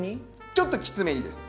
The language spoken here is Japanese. ちょっときつめにです。